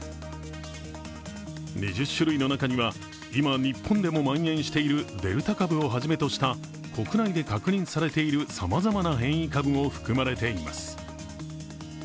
２０種類の中には今、日本でも蔓延しているデルタ株をはじめとした国内で確認されているさまざまな変異株も含まれています。